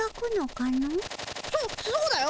そそうだよ